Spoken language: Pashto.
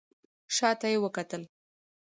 شا ته يې وکتل.